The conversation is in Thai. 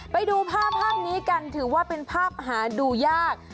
ไปดูภาพภาพนี้กันถือว่าเป็นภาพหาดูยาก